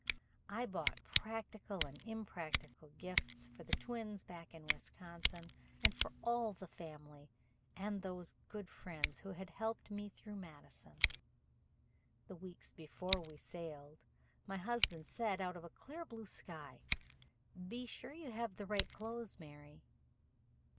I bought practical and impractical gifts for the twins back in Wisconsin and for all the family and those good friends who had helped me through Madison. The week before we sailed my husband said, out of a clear sky: "Be sure you have the right clothes, Mary.